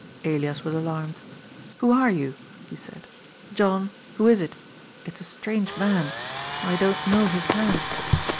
Elias was alarmed. " Who are you ?" he said. ^^ John, who is it? It's a strange man. I don't know his hand."